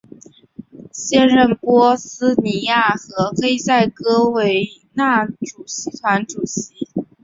现任波斯尼亚和黑塞哥维那主席团主席。